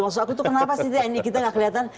maksud aku itu kenapa sih kita gak kelihatan